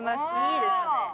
いいですね。